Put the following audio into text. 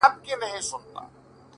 زما د ميني جنډه پورته ښه ده _